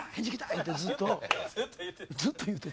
言うてずっとずっというてて。